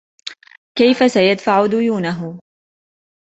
كيفَ سيدفع ديونهُ ؟